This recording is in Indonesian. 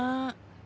nanti keburu tutup